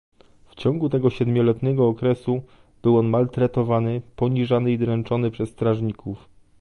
W ciągu tego siedmioletniego okresu, był on maltretowany, poniżany i dręczony przez strażników